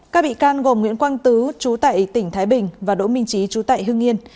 các bị can gồm nguyễn quang tứ chú tại tỉnh thái bình và đỗ minh trí chú tại hương yên